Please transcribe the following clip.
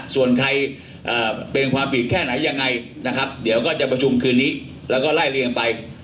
ส่วนใครเป็นความผิดแค่ไหนยังไงนะครับเดี๋ยวก็จะประชุมคืนนี้แล้วก็ไล่เรียงไป